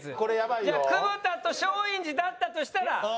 じゃあ久保田と松陰寺だったとしたら。